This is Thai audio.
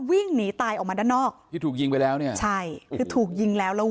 วิ่งหนีตายออกมาด้านนอกที่ถูกยิงไปแล้วเนี่ยใช่คือถูกยิงแล้วแล้ว